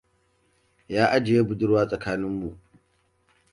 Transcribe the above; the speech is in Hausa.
Ya ajiye budurwa, tsakaninmu.